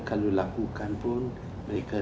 kalau lakukan pun mereka